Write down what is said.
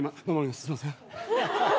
すいません。